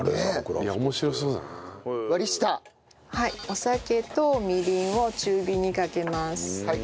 お酒とみりんを中火にかけます。